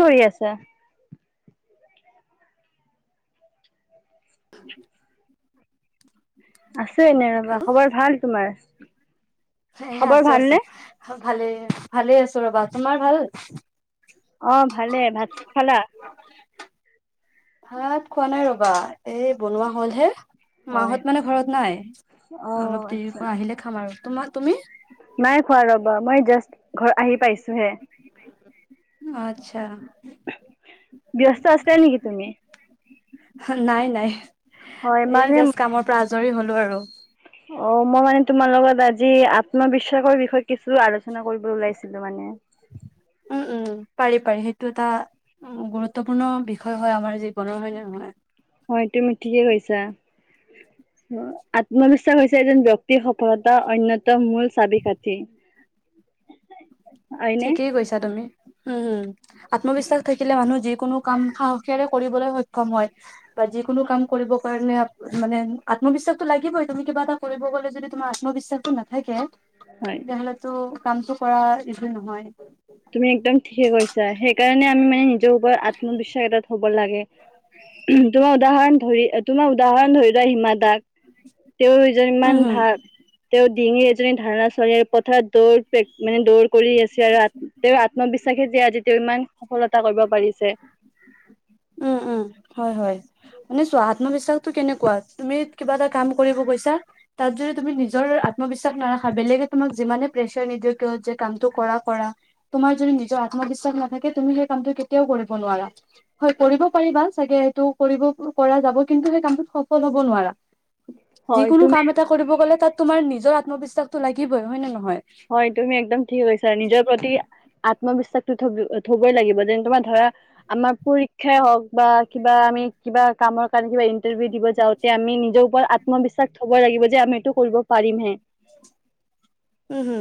কি কৰি আছা? [inaudible] আছো এনেই ৰ'বা। হেল্ল' খবৰ ভাল তোমাৰ? এ' খবৰ ভালনে? আছো-আছো ভালেই, ভালেই আছো ৰ'বা। তোমাৰ ভাল? অঁ', -ভালেই। ভাত খালা? ভাত খোৱা নাই ৰ'বা এই বনোৱা হ'ল হে। হয় মাহঁত মানে ঘৰত নাই? অ অলপ আচ্ছা দেৰিকৈ আহিলে খাম আৰু। তোমাৰ, তুমি? নাই খোৱা ৰ'বা মই জাষ্ট ঘৰত আহি পাইছোহে। আচ্ছা। ব্যস্ত আছে নেকি তুমি? নাই-নাই, হয় এই মানে জাষ্ট কামৰ পৰা আজৰি হ'লো আৰু। অ', মই মানে তোমাৰ লগত আজি আত্মবিশ্বাসৰ বিষয়ে কিছু আলোচনা কৰিব ওলাই- ছিলো মানে। উম-উম, পাৰি-পাৰি। সেইটো এটা উম'গুৰুত্বপূৰ্ণ বিষয় হয় আমাৰ জীৱনৰ হয় নে নহয়। হয়, তুমি ঠিকে কৈছা। আত্মবিশ্বাস হৈছে এজন ব্যক্তিৰ সফলতা অন্যতম মূল চাবি কাঠি। [inaudible] হয়নে? ঠিকেই কৈছা তুমি, উমঁ-হুম। আত্মবিশ্বাস থাকিলে মানুহ যিকোনো - কাম সাহসীৰে কৰিবলৈ সক্ষম হয়। বা যিকোনো কাম কৰিব কাৰণে মানে আত্মবিশ্বাসটো লাগিবই তুমি কিবা এটা - কৰিব গ'লে যদি তুমাৰ আত্মবিশ্বাসো নাথাকে - হয়। তেতিয়াহ'লেতো কামটো কৰা ইভিল নহয়। তুমি একদম ঠিকে কৈছা, সেইকাৰণে আমি মানে নিজৰ ওপৰত আত্মবিশ্বাস এটাত থব লাগে। তোমাৰ উদাহৰণ ধৰি তোমাৰ উদাহৰণ ধৰি লোৱা সিমান দাগ। তেওঁজন উম ইমান হম ভাগ - তেওঁ ডিঙি এজনী ধাৰণা চলী পথাৰত দৌৰ মানে দৌৰ কৰি আছে আৰু। তেওঁৰ আত্মবিশ্বাসে যে আজি তেওঁ ইমান সফলতা কৰিব পাৰিছে। উমঁ-উমঁ, হয়-হয়। শুনি চোৱা আত্মবিশ্বাসটো কেনেকুৱা তুমি কিবা এটা কাম কৰিব গৈছা- তা'ত যদি তুমি নিজৰ আত্মবিশ্বাস নাৰাখা বেলেগে তোমাক- যিমানে প্ৰেচাৰ নিদিয়ক কিয় যে কামটো কৰা-কৰা। তোমাৰ যদি নিজৰ আত্মবিশ্বাস নাথাকে তুমি সেই কামটো কেতিয়াও কৰিব নোৱাৰা। হয়, কৰিব পাৰিবা চাগে সেইটো কৰিব পৰা যাব কিন্তু সেই কামটোত সফল হ'ব নোৱাৰা। হয় যিকোনো তুমি কাম এটা কৰিব গ'লে তাত তোমাৰ নিজৰ আত্মবিশ্বাসটো লাগিবই, হয় নে নহয়? হয় তুমি একদম ঠিকে কৈছা, নিজৰ প্ৰতি আত্মবিশ্বাসটো থ' থবই লাগিব, যেন তোমাৰ ধৰা আমাৰ পৰীক্ষাই হওঁক বা কিবা আমি কিবা কামৰ কাৰণে কিবা ইন্টাৰভিউ দিব যাওঁ তে আমি নিজৰ ওপৰত আত্মবিশ্বাস থব লাগিব যে আমি এইটো কৰিব পাৰিমহে। উম হু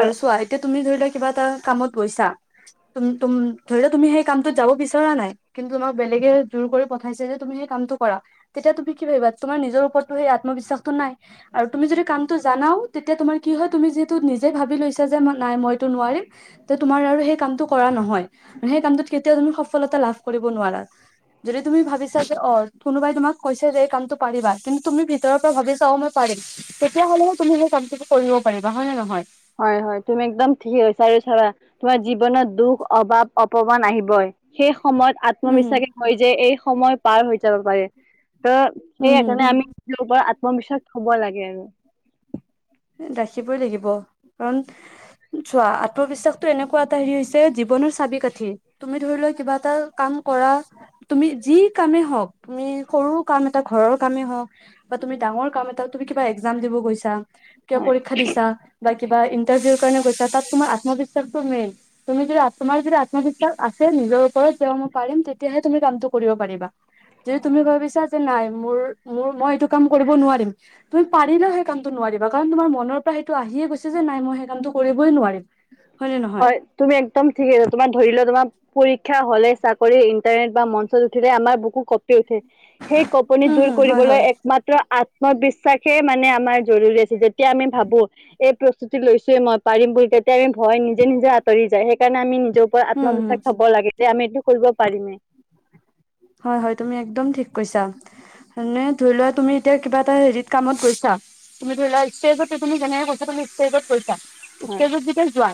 আৰু চোৱা এতিয়া তুমি ধৰি লোৱা কিবা এটা কামত গৈছা। তুম তুম ধৰি লোৱা তুমি সেই কামটোত যাব বিচৰা নাই। কিন্তু তোমাক বেলেগে জোৰ কৰি পঠাইছে যে তুমি সেই কামটো কৰা তেতিয়া তুমি কি ভাবিবা? তোমাৰ নিজৰ ওপৰতো সেই আত্মবিশ্বাসটো নাই আৰু তুমি যদি কাম টো জানাওঁ তেতিয়া তোমাৰ কি হয়, তুমি যিহেতু নিজে ভাবি লৈছা যে নাই মই এইটো নোৱাৰিম তে তোমাৰ আৰু সেই কামটো কৰা নহয়। সেই কামটোত কেতিয়াও তুমি সফলতা লাভ কৰিব নোৱাৰা। যদি তুমি ভাবিছা যে অ' কোনোবাই তোমাক কৈছে যে এই কামটো পাৰিবা, কিন্তু তুমি ভিতৰৰ পৰা ভাবিছা অ' মই পাৰিম। তেতিয়া হ'লেহে তুমি সেই কামটো কৰিব পাৰিবা। হয় নে নহয়? হয় হয় তুমি একদম ঠিকে কৈছা আৰু চাবা তোমাৰ জীৱনত দুখ, অভাৱ, অপ মান আহিবই, সেই সময়ত উম হম আত্মবিশ্বাসে হৈ যে এই সময় পাৰ হৈ যাব পাৰে। ত' সেই উম হম সেইকাৰণে আমি লোকৰ আত্মবিশ্বাস থ'ব লাগে আৰু। এ ৰাখিবই লাগিব কাৰণ চোৱা আত্মবিশ্বাসতটো এনেকুৱা এটা হেৰি হৈছে, জীৱনৰ চাবি কাঠি। তুমি ধৰি লোৱা, কিবা এটা কাম কৰা। তুমি যি কামে হওঁক, তুমি সৰু কাম এটা ঘৰৰ কামেই হওঁক বা তুমি ডাঙৰ কাম এটা তুমি কিবা এক্সাম দিব গৈছা। কিবা হয়। পৰীক্ষা দিছা, বা কিবা ইণ্টাৰভিউৰ কাৰণে গৈছা, তাত তোমাৰ আত্মবিশ্বাসটো মেইন। তুমি যদি তোমাৰ যদি আত্মবিশ্বাস আছে, নিজৰ ওপৰত তেওঁ মই পাৰিম তেত তেতিয়াহে তুমি কামটো কৰিব পাৰিবা। যদি তুমি ভাবিছা যে নাই মোৰ মোৰ মই এইটো কাম কৰিব নোৱাৰিম। তুমি পাৰিলেও সেই কামটো নোৱাৰিবা। কাৰণ তোমাৰ মনৰ পৰা সেইটো আহিয়ে গৈছে যে, নাই মই সেই কামটো কৰিবই নোৱাৰিম। হয় নে নহয়? তুমি একদম ঠিক হৈছে, তোমাৰ ধৰি লোৱা তোমাৰ পৰীক্ষা হ'লে চাকৰি ইন্টাৰনেট বা মঞ্চত উঠিলে আমাৰ বুকু কপি উঠে। সেই কপনি উম দূৰ হম হয় কৰিবলৈ হয় একমাত্ৰ আত্মবিশ্বাসেই মানে আমাৰ জৰুৰী আছে। যে তেতিয়া আমি ভাবো, এই প্ৰস্তুতি লৈছোৱে মই পাৰিম বুলি তেতিয়া আমি ভয় নিজে নিজে আঁতৰি যায়। সে সেইকাৰণে আমি নিজৰ ওপৰত উম হম আত্মবিশ্বাস থ'ব লাগে, যে আমি এইটো কৰিব পাৰিমেই। হয় হয় তুমি একদম ঠিক কৈছা। মানে ধৰি লোৱা, তুমি এতিয়া কিবা এটা হেৰিত কামত গৈছা তুমি ধৰি লোৱা ষ্টেজতে তুমি যেনেকে কৈছা তুমি ষ্টেজত কৈছা। হয় ষ্টেজত যেতিয়া যোৱা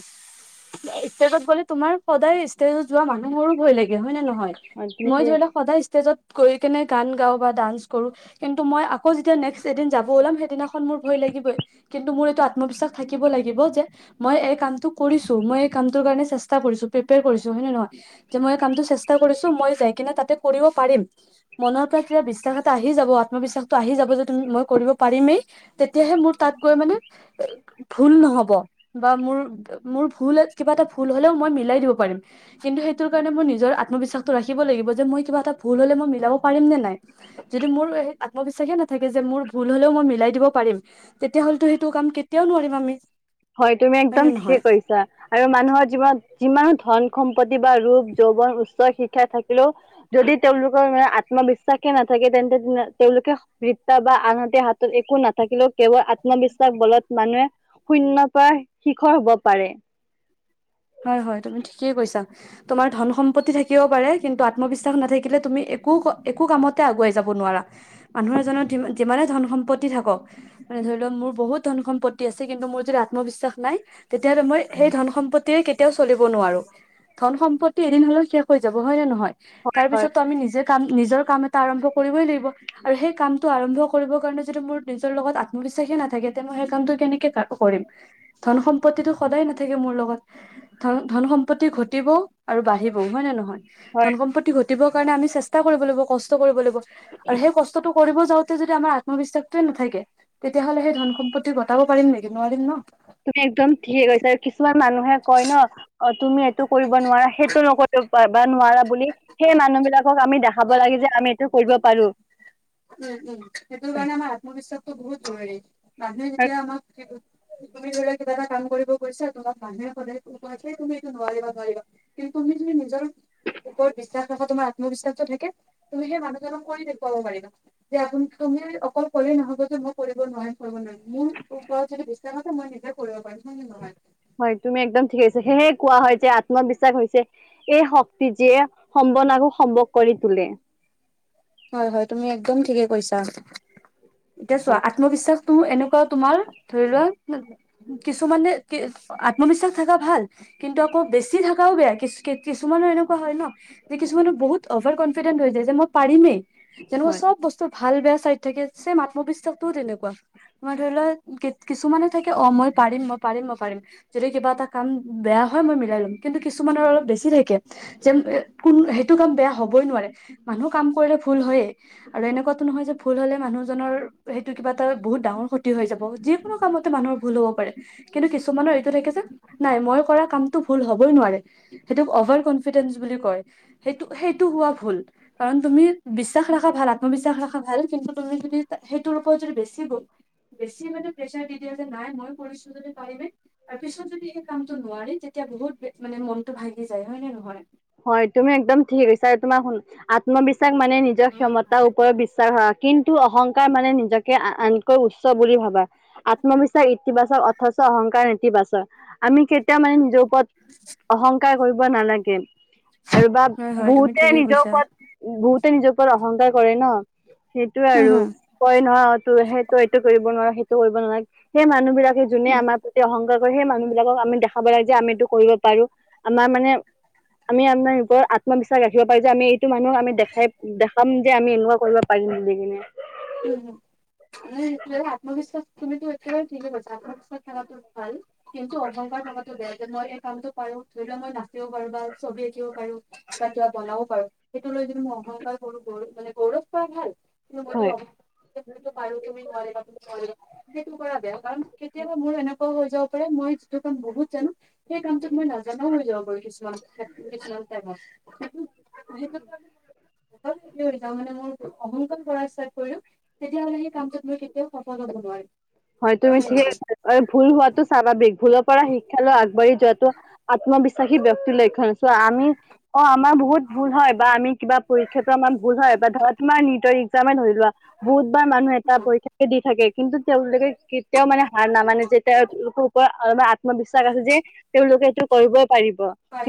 ষ্টেজত গ'লে তোমাৰ সদায় ষ্টেজত যোৱা মানুহোৰো ভয় লাগে। হয় নে নহয়? হয় তুমি মই ঠিকে ধৰি কৈছা লোৱা সদায় ষ্টেজত গৈ কেনে, গান গাওঁ বা ডান্স কৰো কিন্তু মই আকৌ যেতিয়া নেক্সট এদিন যাব ওলাম, সেইদিনাখন মোৰ ভয় লাগিবই। কিন্তু মোৰ এইটো আত্মবিশ্বাস থাকিব লাগিব যে, মই এই কামটো কৰিছো। মই কামটোৰ কাৰণে চেষ্টা কৰিছো, প্ৰিপেয়াৰ কৰিছো হয় নে নহয়? যে মই এই কামটো চেষ্টা কৰিছো মই যাই কিনে তাতে কৰিব পাৰিম। মনৰ পৰা কিবা বিশ্বাস এটা আহি যাব, আত্মবিশ্বাসটো আহি যাব যে তুমি মই কৰিব পাৰিমেই তেতিয়াহে মোৰ তাত গৈ মানে [unintelligible] ভুল নহ'ব বা মোৰ মোৰ ভুল কিবা এটা ভুল হ'লেও মই মিলাই দিব পাৰিম কিন্তু সেইটোৰ কাৰণে মই নিজৰ আত্মবিশ্বাসটো ৰাখিব লাগিব যে মই কিবা এটা ভুল হ'লে মই মিলাব পাৰিম নে নাই যদি মোৰ এই আত্মবিশ্বাসে নাথাকে যে মোৰ ভুল হলেও মই মিলাই দিব পাৰিম তেতিয়া হ'লেটো সেইটো কাম কেতিয়াও নোৱাৰিম আমি। হয় তুমি হয় একদম নে ঠিকে নহয় কৈছা। আৰু মানুহৰ জীৱন যিমান ধন সম্পত্তি বা ৰূপ যৌৱন উচ্চ শিক্ষাই থাকিলেও যদি তেওঁলোকৰ মানে আত্মবিশ্বাসে নাথাকে তেন্তে তিন তেওঁলোকে ৰিপ্তা বা আনহাতে হাতত একো নাথাকিলেও কেৱল আত্মবিশ্বাস বলত মানুহে শূন্যৰ পৰা শিখৰ হব পাৰে। হয় হয় তুমি ঠিকেই কৈছা। তোমাৰ ধন সম্পত্তি থাকিব পাৰে কিন্তু আত্মবিশ্বাস নাথাকিলে তুমি একো ক একো কামতে আগুৱাই যাব নোৱাৰা। মানুহ এজনৰ যিম যিমানে ধন সম্পত্তি থাকক মানে ধৰি লওক মোৰ বহুত ধন সম্পত্তি আছে কিন্তু মোৰ যদি আত্মবিশ্বাস নাই তেতিয়াহ'লে মই সেই ধন সম্পত্ত তে কেতিয়াও চলিব নোৱাৰোঁ ধন সম্পত্তি এদিন হ'লেও শেষ হৈ যাব হয় নে নহয়। হয় তাৰ হয়। পিছতটো আমি নিজে কাম নিজৰ কাম এটা আৰম্ভ কৰিবই লাগিব। আৰু সেই কামটো আৰম্ভ কৰিবৰ কাৰণে যদি মোৰ নিজৰ লগত আত্মবিশ্বাসে নাথাকে তেনেহলে সেই কামটো কেনেকে কা কৰিম। ধন সম্পত্তিটো সদায় নাথাকে মোৰ লগত। ধন ধন সম্পত্তি ঘটিব আৰু বাঢ়িব হয় নে নহয় ধন হয় সম্পত্তি ঘট ঘটিবৰ কাৰণে আমি চেষ্টা কৰিব লাগিব কষ্ট কৰিব লাগিব আৰু সেই কষ্টটো কৰিব যাওঁতে যদি আমাৰ আত্মবিশ্বাসটোৱে নাথাকে। তেতিয়াহ'লে সেই ধন সম্পত্তি ঘটাব পাৰিম নেকি নোৱাৰিম ন। তুমি একদম ঠিকে কৈছা কিছুমান মানুহে কয় ন অ তুমি এইটো কৰিব নোৱাৰা সেইটো নকৰিব কৰবা নোৱাৰা বুলি সেই মানুহ বিলাকক আমি দেখাব লাগে যে আমি এইটো কৰিব পাৰোঁ। উম উম সেইটো কাৰণে আমাৰ আত্মবিশ্বাসটো বহুত জৰুৰী মানুহে যেতিয়া আমাক তুমি ধৰি লোৱা কিবা এটা কাম কৰিব গৈছা তোমাক মানুহে ক'লে যে তুমি এইটো নোৱাৰিবা নোৱাৰিবা। কিন্তু তুমি যে নিজৰ ওপৰত বিশ্বাস ৰখা তোমাৰ আত্মবিশ্বাসটো থাকে তুমি সেই মানুহজনক কৰি দেখুৱাব পাৰিবা। যে আপুনি তুমি অকল ক'লে নহব যে মই কৰিব নোৱাৰিম কৰিব নোৱাৰিম মোৰ ওপৰত যদি বিশ্ব তেওঁৰ মতে মই নিজে কৰিব পাৰিম হয় নে নহয়। হয় তুমি একদম ঠিকে কৈছা সেয়েহে কোৱা হয় যে আত্মবিশ্বাস হৈছে সেই শক্তি যিয়ে সম্বন আৰু সম্ভৱ কৰি তোলে। হয় হয় তুমি একদম ঠিকে কৈছা। এতিয়া চোৱা হয় আত্মবিশ্বাস তোএনেকুৱা তোমাৰ ধৰি লোৱা কিছুমানে কি আত্মবিশ্বাস থকা ভাল। কিন্তু আকৌ বেছি থাকাও বেয়া কিছ কিছুমানৰ এনেকুৱা হয় ন যে কিছুমানৰ বহুত অভাৰ কনফি কনফিডেণ্ট হৈ যায় যে মই পাৰিমে এনেকুৱা হয় চব বস্তু ভাল বেয়া চাইড থাকে যে মানুহ বিশ্বাস তো তেনেকুৱা তোমাৰ ধৰিলোৱা কিছ কিছুমানে থাকে অ মই পাৰিম মই পাৰিম মই পাৰিম। যদি কিবা এটা কাম বেয়া হয় মই মিলাই লম কিন্তু কিছুমানৰ অলপ বেছি থাকে যেন কোনো সেইটো কাম বেয়া হ'বই নোৱাৰে মানুহ কাম কৰিলে ভুল হয়ে আৰু এনেকুৱাটো নহয় যে ভুল হ'লে মানুহজনৰ সেইটো কিবা এটা বহুত ডাঙৰ ক্ষতি হৈ যাব যিকোনো কামতে মানুহৰ ভুল হ'ব পাৰে। কিন্তু কিছুমানৰ এইটো থাকে যে নাই মই কৰা কামতটো ভুল হবই নোৱাৰে সেইটোক অভাৰ কনফ ফিডেণ্টছ বুলি কয় সেইটো সেইটো হোৱা ভুল কাৰণ তুমি বিশ্বাস ৰাখা ভাল আত্মবিশ্বাস ৰাখা ভাল কিন্তু তুমি যদি সেইটোৰ ওপৰত যদি বেছি গু বেছি মানে প্ৰেছাৰ দি দিয়া যে নাই মই কৰিছোঁ যদি পাৰিমে আৰু পিছত যদি সেই কামটো নোৱাৰি তেতিয়া বহুত বে মানে মনটো ভাঙি যায় হয় নে নহয়। হয় তুমি একদম ঠিকে কৈছা তোমাৰ শু আত্মবিশ্বাস মানে নিজৰ ক্ষমতাৰ ওপৰত বিশ্বাস হোৱা কিন্তু টো অহংকাৰ মানে নিজকে আনতকৈ উচ্চ বুলি ভাবা আত্মবিশ্বাস ইতিবাচক অথচ অহংকাৰ নেতিবাচক আমি কেতিয়াও মানে নিজৰ ওপৰত অহংকাৰ কৰিব নালাগে আৰু বা হয় হয় তুমি বহুতে ঠিকে নিজৰ কৈছা ওপৰত বহুতে নিজৰ ওপৰত অহংকাৰ কৰে ন, সেইটোয়ে উম আৰু। হম কয় নহ তোৰ সেইটো এইটো কৰিব নোৱাৰা সেইটো কৰিব নোৱাৰা, সেই মানুহ বিলাকে যোনে আমাৰ প্ৰতি অহংকাৰ সেই মানুহ বিলাকক আমি দেখাব লাগে যে আমি এইটো কৰিব পাৰোঁ, আমাৰ মানে আমি আপাৰ ওপৰত আত্মবিশ্বাস ৰাখিব পাৰি যে আমি টো মানুহক আমি দেখাই দেখাম যে আমি এনেকুৱা কৰিব পাৰিম বুলি কিনে। উম, হয়। উম সেইটোৱে আত্মবিশ্বাস তুমিতো একেবাৰে ঠিকে কৈছা আত্মবিশ্বাস থকাটো ভাল। কিন্তু অহংকাৰ থকাটো বেয়া যে মই এই কামটো পাৰো ধৰি লোৱা মই নাচিব পাৰো বা ছবি আঁকিব পাৰোঁ বা কিবা বনাব পাৰোঁ, সেইটো লৈ যদি মই অহংকাৰ কৰো গৌৰ মানে গৌৰৱ কৰা ভাল। [unintelligible] মই হয় পাৰোঁ তুমি নোৱাৰিবা, সেইটো কৰা বেয়া, কাৰণ কেতিয়াবা মোৰো এনেকুৱা হৈ যাব পাৰে মই যিটো কাম বহুত জানো সেই কামটো মই নজানাও হৈ যাব পাৰো কিছুমান ক্ষেত্ৰ কিছুমান টাইমত। [unintelligible] সেই হেৰি হৈ যাওঁ মানে মোৰ অহংকাৰ কৰা ষ্টাৰ্ট কৰি দিওঁ। তেতিয়াহ'লে সেই কামটোত মই কেতিয়াও সফল হ'ব নোৱাৰিম। হয় তুমি নে ঠিকে, নহয়? ভুল হোৱাটো স্বাভাৱিক ভুলৰ পৰা শিক্ষা লৈ আগবাঢ়ি যোৱাটো আত্মবিশ্বাসী ব্যক্তিৰ লক্ষণ, চোঁৱা আমি অ' আমাৰ বহুত ভুল হয় বা আমি কিবা পৰীক্ষাতো আমাৰ ভুল হয় বা ধৰা তোমাৰ নিজৰ একজামে ধৰি লোৱা বহুতবাৰ মানুহ এট পৰীক্ষাতো দি থাকে কিন্তু, তেওঁলোকে কেতিয়াওঁ মানে হাৰ নামানে যে তেওঁলোকৰ ওপৰত [unintelligible] আত্মবিশ্বাস আছে যে, তেওঁলোকে এইটো কৰিব পাৰিব।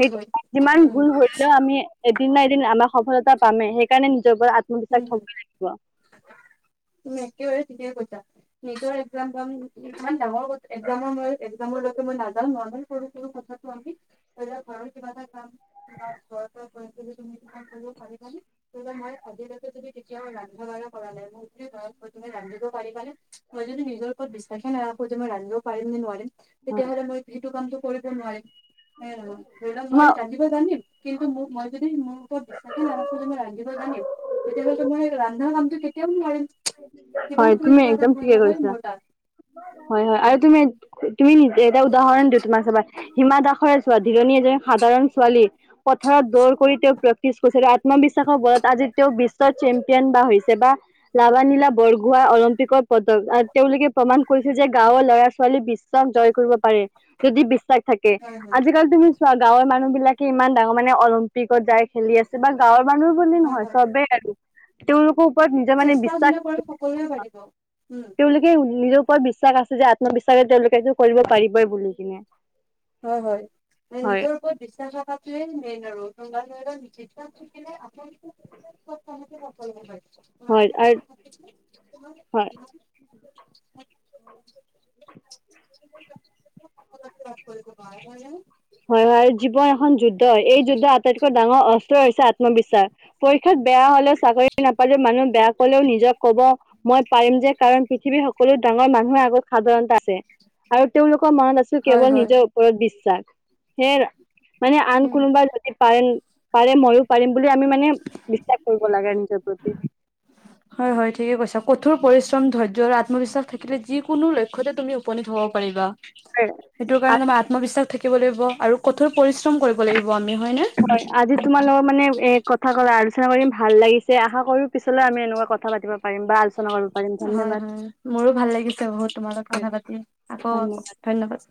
সেইটো যিমান উম, ভুল হলেওঁ আমি এদিন ন এদিন আমাৰ সফলতা পামে, সেইকাৰণে নিজৰ ওপৰত আ হুম, হুম। [unintelligible] তুমি একেবাৰে ঠিকেই কৈছা। নিজৰ একজামৰ ইমান ডাঙৰ একজামৰ ম একজামৰলৈকে মই নাযাওঁ, নৰ্মেল সৰু সৰু কথা [unintelligible] এতিয়া ঘৰৰ কিবা এটা কাম। ইমাণ বৰ বৰ পৰিস্থিতি তুমি তোমাৰ কৰিব পাৰিবানে? তেতিয়া মই আজিলে তুমি যদি কেতিয়াও ৰন্ধা বঢ়া কৰা নাই, মোৰ যদি বয়স হয় তুমি ৰান্ধিব পাৰিবানে? মই যদি নিজৰ ওপৰত বিশ্বাসে নাৰাখো যে মই ৰান্ধিব পাৰিমে নে নোৱাৰিম হয় তেতিয়াহলে মই এইটো কামটো কৰিব নোৱাৰিম, সেয়াই আৰু ধৰি লোৱা তোমাৰ মই ৰা মই জানিম, কিন্তু মো-মই যদি মোৰ ওৰত বিশ্বাসে নাৰাখোঁ যে মই ৰান্ধিব জানিম তেতিয়াহ'লেতো মই ৰান্ধা কামটো কেতিয়াওঁ নোৱাৰিম। কিবা হয় নহয় তুমি কিবা এটা একদম ভুল ঠিকে হ'বই কৈছা। মোৰ তাত হয় হয়, আৰু তুমি তুমি নিজে এটা উদাহৰণ দিওঁ তোমাৰ চাবা, হিমা দাসৰ চোঁৱা যিজনি এজনী সাধাৰণ ছোৱালী, পথাৰত দৌৰ কৰি তেওঁ প্ৰেক্টিছ কৰিছিলে আত্মবিশ্বাসৰ বলত আজি তেওঁ বিশ্বৰ চেম্পিয়ন বা হৈছে বা লাভানীলা বৰগোহায় অলিম্পিকৰ পদক তেওঁলোকে প্ৰমাণ কৰিছে যে গাঁৱৰ ল'ৰা ছোৱালী বিস্ পদক জয় কৰিব পাৰে, যদি বিশ্বাস থাকে, হয় হয় আজিকালি তুমি চোৱা গাঁৱৰ মানুহ বিলাকে ইমান ডাঙৰ মানে অলং পিকত যাই খেলি আছে বা গাঁৱৰ মানুহ বুলি হয় নহয় হয় চবেই আৰু, তেওঁলোকৰ ওপৰত নিজৰ মানে বিস্ জোনে কৰে সকলোৱে পাৰিব, উম। এই নিজৰ ওপৰত বিশ্বাস আছে যে, আত্মবিশ্বাসে তেওঁলোকেটো কৰিব পাৰিবই বুলি কিনে। হয় হয়। মানে হয় নিজৰ ওপৰত বিশ্বাস থকাতোৱেই মেইন আৰু। হয় আৰু হয় [unintelligible] [unintelligible] [unintelligible] [unintelligible] হয় হয়, জীৱন এখন যুদ্ধ হয়। এই যুদ্ধৰ আটাইতকৈ ডাঙৰ অস্ত্ৰই হৈছে আত্মবিশ্বাস। পৰীক্ষাত বেয়া হলেওঁ, চাকৰি নাপালেও মানুহ বেয়া কলেও নিজক ক'ব মই পাৰিম যেন কাৰণ পৃথিৱীৰ সক সকলো ডাঙৰ মানুহৰ আগত সাধাৰণতা আছে। আৰু তেওঁলোকৰ মনত আছিল কেৱল হয় হয় নিজৰ ওপৰত বিশ্বাস। সেৰা, মানে আন উম কোনোবা যদি পাৰে পাৰে ময়ো পাৰিম বুলি আমি মানে, বিশ্বাস কৰিব লাগে নিজৰ প্ৰতি। হয় হয় ঠিকে কৈছা। কঠোৰ পৰিশ্ৰম, ধৈৰ্য আৰু আত্মবিশ্বাস থাকিলে যিকোনো লক্ষ্যতে তুমি উপনীত হ'ব পাৰিবা। প্ৰতি। সেইটো কাৰণে আমাৰ আত্মবিশ্বাস থাকিব লাগিব, আৰু কঠোৰ পৰিশ্ৰম কৰিব লাগিব আমি হয় নে? হয়। আজি তোমালোকৰ মানে এ কথা কলে আলোচনা কৰিম ভাল লাগিছে, আশা কৰো পিছলৈ আমি এনেকুৱা কথা পাতিব প পাৰিম বা আালচনা কৰি হয় হয়। মোৰো ভাল লাগিছে বহুত তোমাৰ লগত হয় কথা পাতি। আকৌ ধন্যবাদ।